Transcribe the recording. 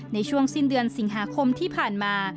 ในช่วงสิ้นเดือนสิงหาคมที่ผ่านมา